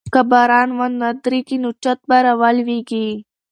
که باران ونه دريږي نو چت به راولوېږي.